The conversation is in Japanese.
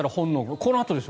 このあとですよ。